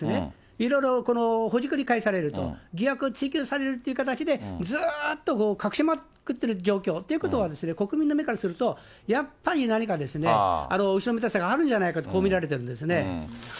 いろいろほじくり返されると、疑惑を追及されるという形で、ずっと隠しまくってる状況。ということは、国民の目からすると、やっぱり何か、後ろめたさがあるんじゃないかと、こう見られてるんですね。